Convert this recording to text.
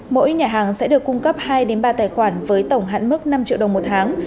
mỗi nhà hàng sẽ được cung cấp hai ba tài khoản với tổng hạn mức năm triệu đồng một tháng